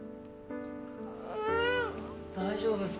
大丈夫っすか？